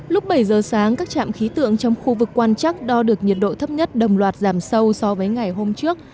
lúc bảy giờ sáng các trạm khí tượng trong khu vực quan chắc đo được nhiệt độ thấp nhất đồng loạt giảm sâu so với ngày hôm trước